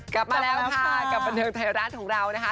กลับมาแล้วค่ะกับบันเทิงไทยรัฐของเรานะคะ